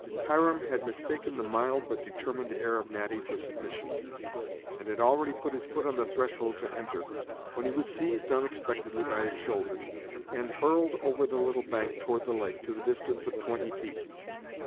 Hiram had mistaken the mild but determined air of Natty for submission, and had already put his foot on the threshold to enter, when he was seized unexpectedly by his shoulders, and hurled over the little bank toward the lake, to the distance of twenty feet.